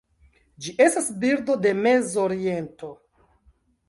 Ĝi estas birdo de Mezoriento.